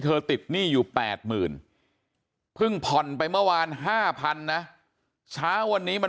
ติดหนี้อยู่๘๐๐๐เพิ่งผ่อนไปเมื่อวาน๕๐๐๐นะเช้าวันนี้มัน